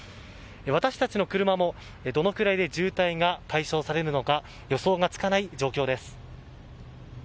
私たちの車もどのくらいで渋滞が解消されるのか予想がつかない状況です。